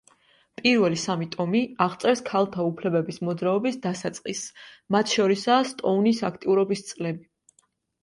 პირველი სამი ტომი აღწერს ქალთა უფლებების მოძრაობის დასაწყისს, მათ შორისაა სტოუნის აქტიურობის წლები.